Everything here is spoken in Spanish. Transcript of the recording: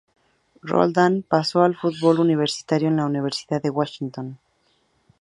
Roldan paso al fútbol universitario en la Universidad de Washington.